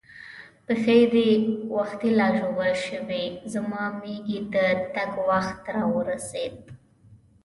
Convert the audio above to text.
پښې دې وختي لا ژوبل شوې، زما مېږي د تګ وخت را ورسېد.